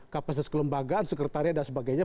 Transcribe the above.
kapasitas kelembagaan sekretariat dan sebagainya